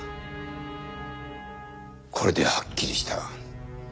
これではっきりした。